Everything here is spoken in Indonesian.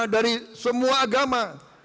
dari semua agama